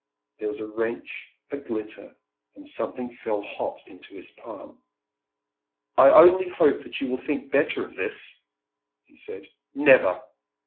There was a wrench, a glitter, and something fell hot into his palm. "I only hope you will think better of this," he said. "Never!"